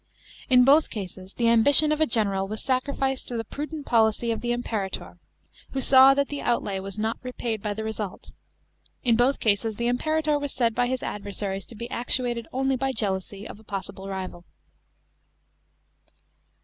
In both cases the ambition of a general was sacrificed to the prudent policy of the Imperator, who saw that the outlay was not repaid by the result ; in both cases the Imperator was said by his adversaries to lie actuated only by jealousy of a possible rival.